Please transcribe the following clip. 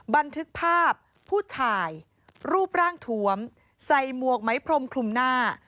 บันทึกภาพผู้ชายรูปร่างถวมใส่หมวกไหมพรมคลุมหน้า